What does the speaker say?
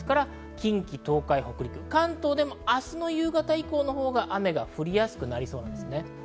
近畿、東海、北陸、関東でも明日の夕方以降のほうが雨が降りやすくなりそうです。